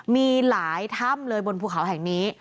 มีหลายถ้ำเลยบนภูเขาแห่งนี้